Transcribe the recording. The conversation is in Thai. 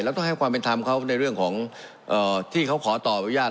ต้องให้ความเป็นธรรมเขาในเรื่องของที่เขาขอต่ออนุญาต